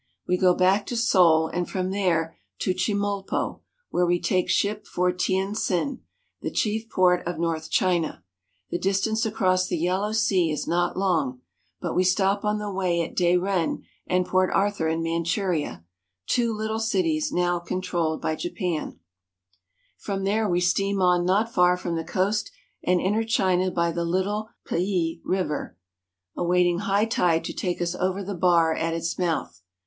We go back to Seoul and from there to Chemulpo, where we take ship for Tientsin (te en'tsen') the chief port of North China. The distance across the Yellow Sea is not long, but we stop on the way at Dairen and Port Arthur in Manchuria, two little cities now controlled by Japan. 1 14 CHINA From there we steam on not far from the coast and enter China by the little Pei (pe'e) River, awaiting high tide to take us over the bar at its mouth.